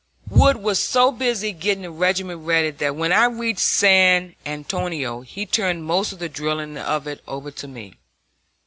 Wood was so busy getting the regiment ready that when I reached San Antonio he turned most of the drilling of it over to me.